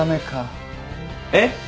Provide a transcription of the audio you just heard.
えっ？